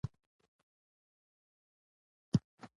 خو ښځه ډیره ستړې وه.